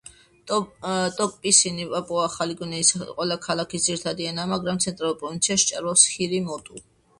ტოკ-პისინი პაპუა-ახალი გვინეის ყველა ქალაქის ძირითადი ენაა, მაგრამ ცენტრალურ პროვინციაში ჭარბობს ჰირი-მოტუ.